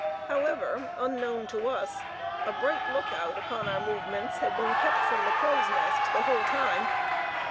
However, unknown to us, a bright look out upon our movements had been kept from the crow's nest the whole time.